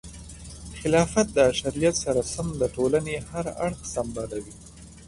خلافت د شریعت سره سم د ټولنې هر اړخ سمبالوي.